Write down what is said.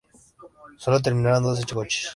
Solo terminaron doce coches.